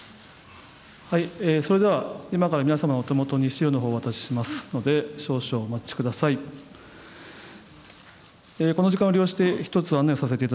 それでは今から皆様の手元に資料をお渡ししますので少々お待ちください。